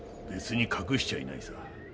別に隠しちゃいないさ。